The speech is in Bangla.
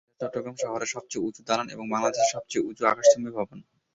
এটা চট্টগ্রাম শহরের সবচেয়ে উঁচু দালান এবং বাংলাদেশের সবচেয়ে উঁচু আকাশচুম্বী ভবন।